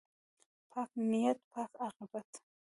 پاک نیت، پاک عاقبت.